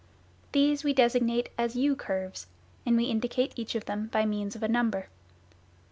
These we designate as u curves, and we indicate each of them by means of a number.